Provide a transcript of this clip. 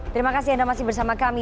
terima kasih anda masih bersama kami